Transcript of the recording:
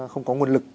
không có nguồn lực